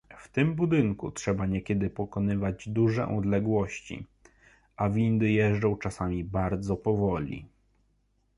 W tym budynku trzeba niekiedy pokonywać duże odległości, a windy jeżdżą czasami bardzo powoli